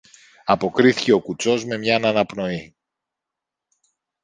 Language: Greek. αποκρίθηκε ο κουτσός με μιαν αναπνοή.